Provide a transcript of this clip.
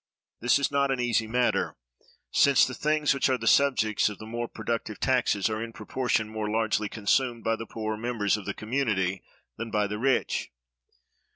This is not an easy matter; since the things which are the subjects of the more productive taxes are in proportion more largely consumed by the poorer members of the community than by the rich.